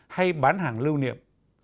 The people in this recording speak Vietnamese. hay bán hàng lưu niệm